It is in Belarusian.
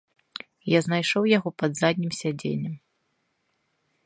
Я знайшоў яго пад заднім сядзеннем.